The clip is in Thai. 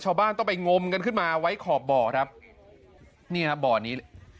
ชาวบ้านต้องไปงมกันขึ้นมาไว้ขอบบ่อครับนี่ครับบ่อนี้